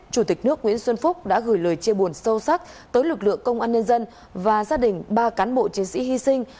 chủ tịch nước nguyễn xuân phúc đã gửi lời chia buồn sâu sắc tới lực lượng công an nhân dân và gia đình ba cán bộ chiến sĩ hy sinh